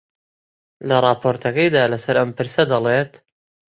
لە ڕاپۆرتەکەیدا لەسەر ئەم پرسە دەڵێت: